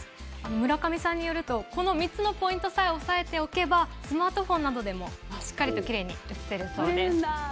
村上さんによると、この３つのポイントを押さえておけばスマートフォンなどでもしっかりときれいに写せるそうです。